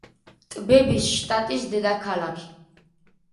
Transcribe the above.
ტბების შტატის დედაქალაქი.